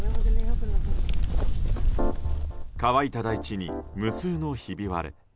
乾いた大地に無数のひび割れ。